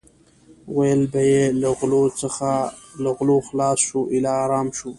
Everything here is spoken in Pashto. ویل به یې له غلو خلاص شو ایله ارام شو.